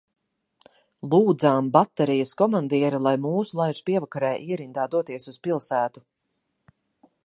Lūdzām baterijas komandieri, lai mūs laiž pievakarē ierindā doties uz pilsētu.